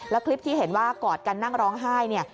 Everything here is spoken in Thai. แล้วคลิปที่เห็นว่ากอดกันนั่งร้องไห้เนี่ย